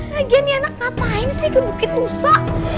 lagian ya anak ngapain sih ke bukit nusa